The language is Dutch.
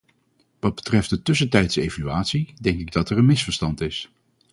Wat betreft de tussentijdse evaluatie denk ik dat er een misverstand is.